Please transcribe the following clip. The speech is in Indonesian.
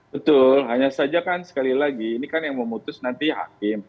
betul hanya saja kan sekali lagi ini kan yang memutus nanti hakim